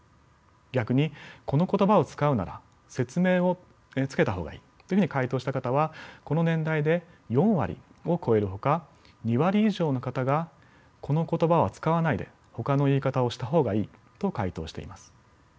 逆にこの言葉を使うなら説明をつけた方がいいというふうに回答した方はこの年代で４割を超えるほか２割以上の方がこの言葉は使わないでほかの言い方をした方がいいと回答しています。